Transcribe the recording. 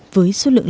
với số lượng lớn nhất